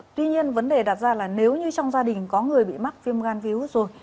tuy nhiên vấn đề đặt ra là nếu như trong gia đình có người bị mắc viêm gan virus rồi